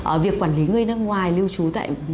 ở việc quản lý người nước ngoài lưu trú tại